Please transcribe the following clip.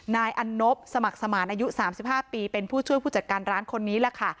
นายอันนบสมัครสมานอายุ๓๕ปีเป็นผู้ช่วยผู้จัดการร้านคนนี้แหละค่ะ